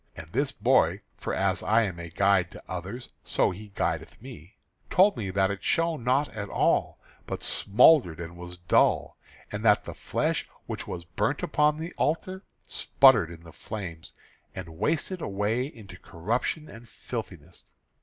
And this boy, for as I am a guide to others so he guideth me, told me that it shone not at all, but smouldered and was dull, and that the flesh which was burnt upon the altar spluttered in the flame, and wasted away into corruption and filthiness.